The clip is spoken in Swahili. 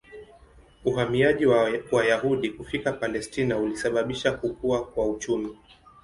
Uhamiaji wa Wayahudi kufika Palestina ulisababisha kukua kwa uchumi.